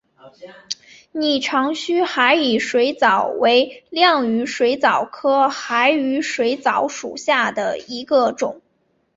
拟长须海羽水蚤为亮羽水蚤科海羽水蚤属下的一个种。